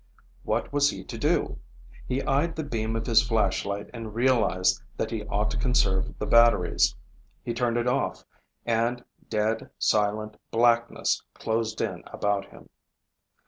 What was he to do? He eyed the beam of his flashlight and realized that he ought to conserve the batteries. He turned it off, and dead, silent blackness closed in about him.